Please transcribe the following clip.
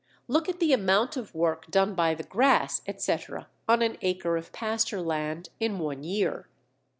Look at the amount of work done by the Grass, etc., on an acre of pasture land in one year.